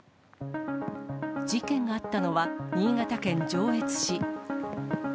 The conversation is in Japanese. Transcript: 事件があったのは、新潟県上越市。